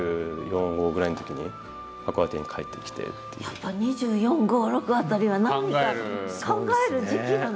やっぱ２４２５２６辺りは何か考える時期なの？